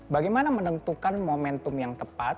bagaimana menentukan momentum yang tepat